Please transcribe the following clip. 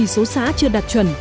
số xã chưa đạt chuẩn